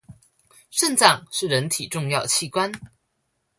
腎臟是人體重要的器官